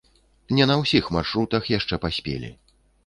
Не на ўсіх маршрутах яшчэ паспелі.